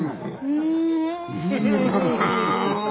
うん。